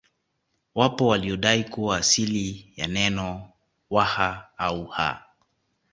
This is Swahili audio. Wapo waliodai kuwa asili ya neno Waha au Ha